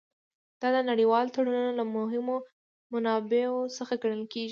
دا د نړیوالو تړونونو له مهمو منابعو څخه ګڼل کیږي